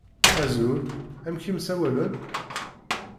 Azul, amek i m-ssawalen?